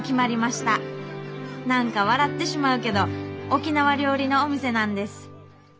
何か笑ってしまうけど沖縄料理のお店なんです」。